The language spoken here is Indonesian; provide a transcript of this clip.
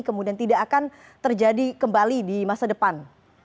kemudian tidak akan terjadi kembali di masa depan